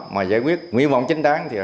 mà giải quyết nguyên vọng chính đáng